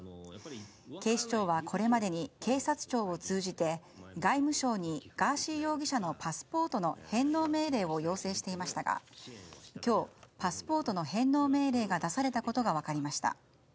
警視庁はこれまでに警察庁を通じて外務省にガーシー容疑者のパスポートの返納命令を要請していましたが今日、パスポートの返納命令が出されたことが分かりました。